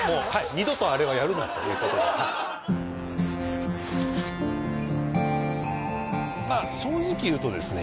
二度とあれはやるなということで正直言うとですね